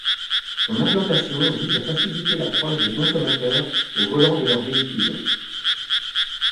Son implantation vise à faciliter l'approche des consommateurs au volant de leur véhicule.